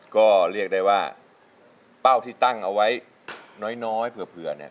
ก็เรียกได้ว่าเป้าที่ตั้งเอาไว้น้อยเผื่อเนี่ย